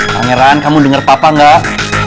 pangeran kamu denger papa gak